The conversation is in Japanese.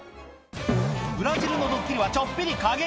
ブラジルのドッキリはちょっぴり過激！